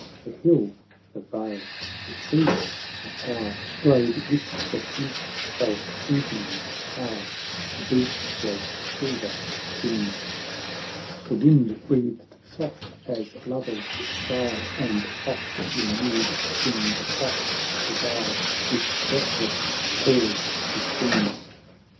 The hill, the vale, the tree, the tower, Glowed with the tints of evening's hour, The beach was silver sheen, The wind breathed soft as lover's sigh, And, oft renewed, seemed oft to die, With breathless pause between.